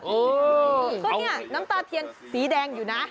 เออตอนนี้น้ำตาเทียนสีแดงอยู่นะ